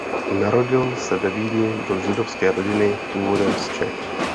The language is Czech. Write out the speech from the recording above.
Narodil se ve Vídni do židovské rodiny původem z Čech.